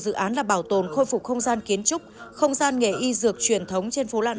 dự án là bảo tồn khôi phục không gian kiến trúc không gian nghề y dược truyền thống trên phố lạn